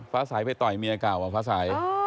ฟ้าสายไปต่อยเมียเก่าอ่ะฟ้าสาย